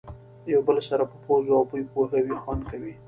یو بل سره په پوزو او بوی پوهوي خوند کوي.